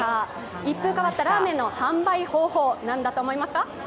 一風変わったラーメンの販売方法、何だと思いますか？